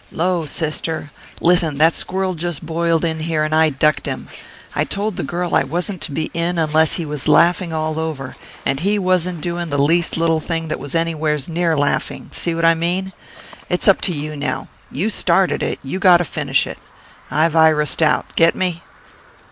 "'Lo, Sister! Listen; that squirrel just boiled in here, and I ducked him. I told the girl I wasn't to be in unless he was laughing all over, and he wasn't doing the least little thing that was anywheres near laughing. See what I mean? It's up to you now. You started it; you got to finish it. I've irised out. Get me?"